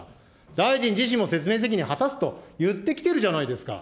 大臣自身も説明責任果たすと言ってきてるじゃないですか。